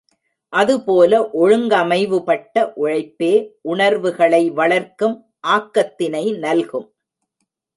அதுபோல ஒழுங்கமைவுபட்ட உழைப்பே உணர்வுகளை வளர்க்கும் ஆக்கத்தினை நல்கும்.